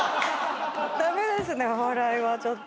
駄目ですねお笑いはちょっと。